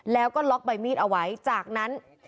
แล้วก็ล็อกใบมีดเอาไว้จากนั้น